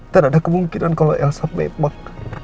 dan ada kemungkinan kalau elsa memang